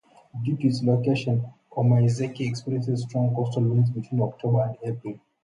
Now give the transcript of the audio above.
Due to its location, Omaezaki experiences strong coastal winds between October and April.